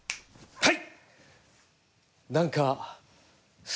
はい！